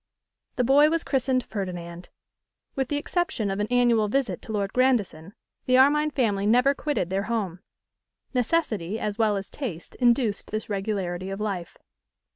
The boy was christened Ferdinand. With the exception of an annual visit to Lord Grandison, the Armine family never quitted their home. Necessity as well as taste induced this regularity of life.